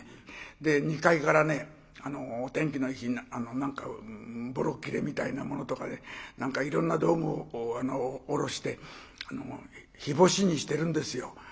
２階からお天気のいい日に何かぼろっきれみたいなものとかで何かいろんな道具を下ろして日干しにしてるんですよ。